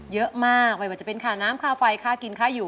เยอะมากไม่ว่าจะเป็นค่าน้ำค่าไฟค่ากินค่าอยู่